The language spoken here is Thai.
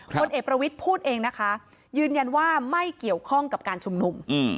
คนเอกประวิทย์พูดเองนะคะยืนยันว่าไม่เกี่ยวข้องกับการชุมนุม